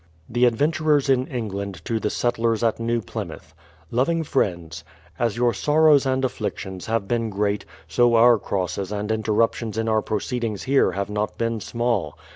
The Adventurers in England to the Settlers at New Plymouth: Loving Friends, As your sorrows and afflictions have been great, so our crosses and interruptions in our proceedings here have not been small.